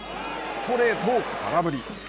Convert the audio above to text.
ストレートを空振り。